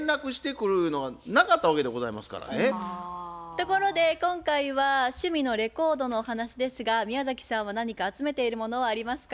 ところで今回は趣味のレコードのお話ですが宮崎さんは何か集めているものはありますか？